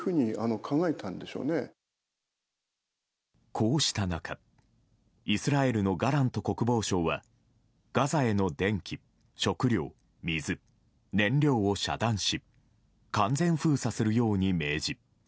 こうした中イスラエルのガラント国防相はガザへの電気、食料水、燃料を遮断し完全封鎖するように命じ。